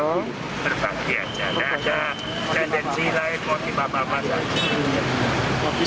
ada tendensi lain kalau di bapak bapak saja